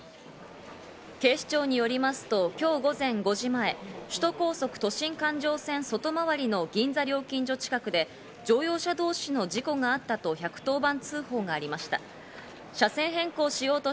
警視庁によりますと、今日午前５時前、首都高速・都心環状線外回りの銀座料金所近くで乗用車同士の事故があったと１１０番通報がありました。